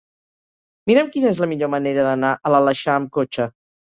Mira'm quina és la millor manera d'anar a l'Aleixar amb cotxe.